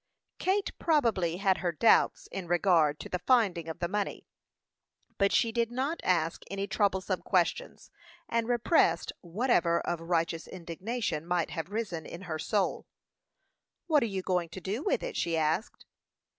Kate probably had her doubts in regard to the finding of the money, but she did not ask any troublesome questions, and repressed whatever of righteous indignation might have risen in her soul. "What are you going to do with it?" she asked.